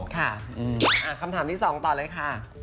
คำถามที่๒ต่อเลยค่ะ